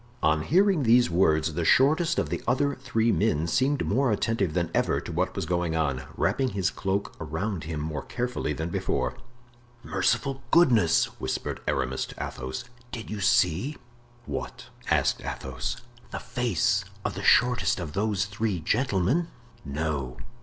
On hearing these words the shortest of the other three men seemed more attentive than ever to what was going on, wrapping his cloak around him more carefully than before. "Merciful goodness!" whispered Aramis to Athos, "did you see?" "What?" asked Athos. "The face of the shortest of those three gentlemen?" "No."